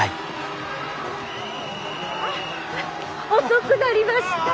遅くなりました。